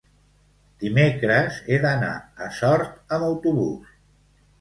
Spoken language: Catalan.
dimecres he d'anar a Sort amb autobús.